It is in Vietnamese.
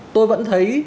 tôi vẫn thấy